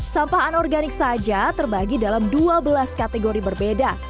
sampah anorganik saja terbagi dalam dua belas kategori berbeda